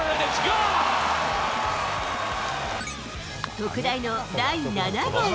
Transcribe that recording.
特大の第７号。